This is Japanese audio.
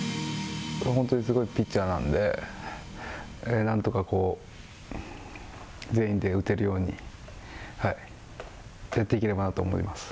本当にすごいピッチャーなんで、なんとかこう全員で打てるように、やっていければなと思います。